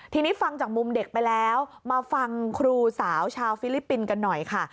ทีนี้ฟังจากมุมเด็กไปแล้วมาฟังครูสาวชาวฟิลิปปินส์กันหน่อยค่ะ